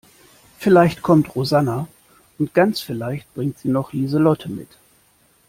Vielleicht kommt Rosanna und ganz vielleicht bringt sie noch Lieselotte mit.